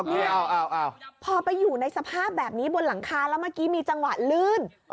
เนี่ยพอไปอยู่ในสภาพแบบนี้บนหลังคาแล้วเมื่อกี้มีจังหวะลื่น